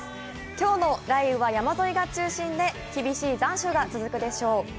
きょうの雷雨は山沿いが中心で、厳しい残暑が続くでしょう。